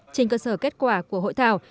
trên cơ sở kết quả của hội thảo